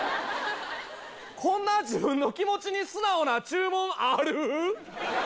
こんな自分の気持ちに素直な注文ある？